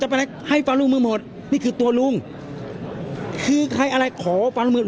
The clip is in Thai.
จะเป็นอะไรให้ฟังรุงมือหมดนี่คือตัวลุงคือใครอะไรขอฟังรุงมือ